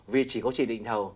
vì chỉ có chỉ định thầu